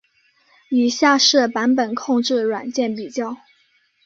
以下是版本控制软件比较。